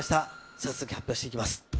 早速、発表していきます。